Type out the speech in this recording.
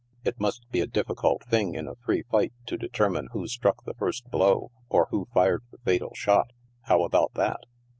" It must be a difficult thing, in a free light, to determine who struck the first blow, or who fired the fatal shot. How about that